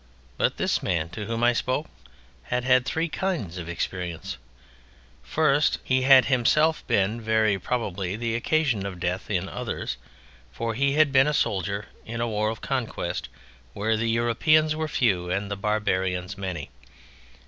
But this man to whom I spoke had had three kinds of experience; first, he had himself been very probably the occasion of Death in others, for he had been a soldier in a war of conquest where the Europeans were few and the Barbarians many!